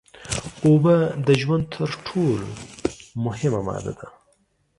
اوبه د ژوند تر ټول مهمه ماده ده